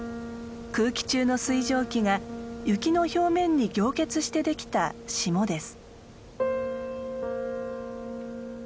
空気中の水蒸気が雪の表面に凝結してできた霜です。